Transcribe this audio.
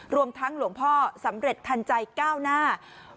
รวมทั้งหลวงพ่อสำเร็จทันใจก้าวหน้า